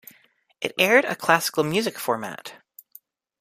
It aired a classical music format.